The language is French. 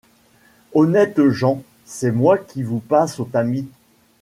Honnêtes gens, c'est moi qui vous passe au tamis.